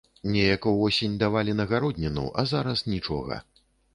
Неяк увосень давалі на гародніну, а зараз нічога.